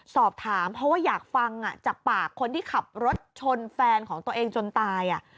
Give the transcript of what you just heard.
สอบถามเพราะว่าอยากฟังจากปากคนที่ขับรถชนแฟนของตัวเองจนตาย